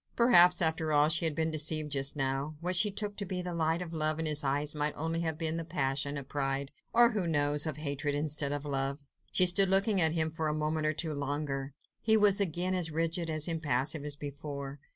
Perhaps, after all, she had been deceived just now; what she took to be the light of love in his eyes might only have been the passion of pride or, who knows, of hatred instead of love. She stood looking at him for a moment or two longer. He was again as rigid, as impassive, as before.